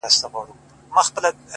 ژوند پکي اور دی. آتشستان دی.